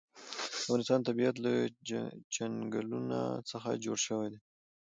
د افغانستان طبیعت له چنګلونه څخه جوړ شوی دی.